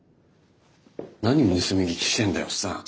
何盗み聞きしてんだよおっさん！